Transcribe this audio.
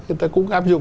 người ta cũng áp dụng